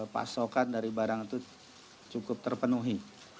pasokan dari barang itu cukup terpenuhi